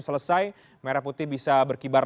selesai merah putih bisa berkibar